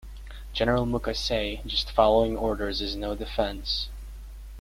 General Mukasey, just following orders is no defense!